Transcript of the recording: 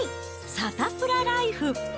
サタプラライフ。